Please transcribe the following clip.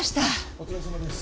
お疲れさまです。